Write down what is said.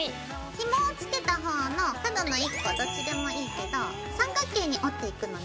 ひもを付けた方の角の１個どっちでもいいけど三角形に折っていくのね。